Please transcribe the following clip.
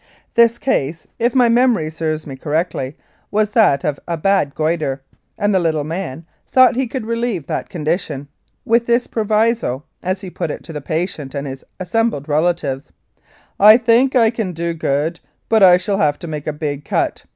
This case, if my memory serves me correctly, was that of a bad goitre, and "the little man'* thought he could relieve that condition, with this proviso, as he put it to the patient and his assembled relatives, "I think I can do good, but I shall have to make a big cut.